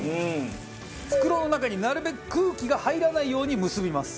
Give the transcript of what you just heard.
袋の中になるべく空気が入らないように結びます。